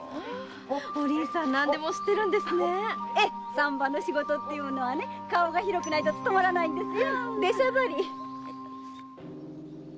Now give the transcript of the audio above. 産婆の仕事っていうのは顔が広くないと務まらないのよ。